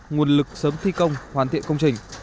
nguồn lực sớm thi công hoàn thiện công trình